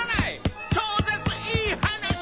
超絶いい話！